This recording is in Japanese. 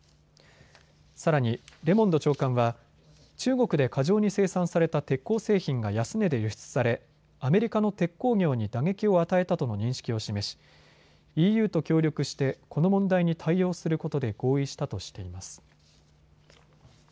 さらにレモンド長官は中国で過剰に生産された鉄鋼製品が安値で輸出されアメリカの鉄鋼業に打撃を与えたとの認識を示し、ＥＵと協力して、この問題に対応することで合意したとしています。